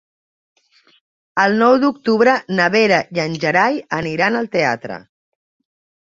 El nou d'octubre na Vera i en Gerai aniran al teatre.